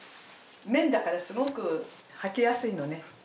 綿だからすごく履きやすいのね。